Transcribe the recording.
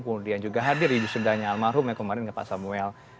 kemudian juga hadir di wisudanya almarhum yang kemarin ke pak samuel